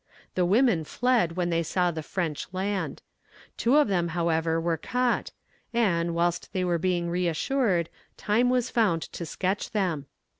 The women fled when they saw the French land. Two of them, however, were caught, and, whilst they were being re assured, time was found to sketch them.